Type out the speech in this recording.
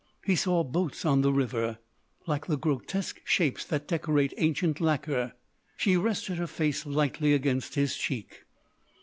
He saw boats on the river—like the grotesque shapes that decorate ancient lacquer. She rested her face lightly against his cheek.